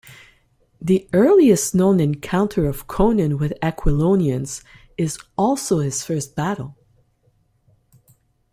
The earliest known encounter of Conan with Aquilonians is also his first battle.